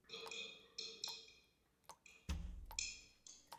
机器人。